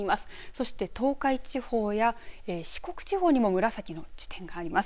そして東海地方や四国地方にも紫の地点があります。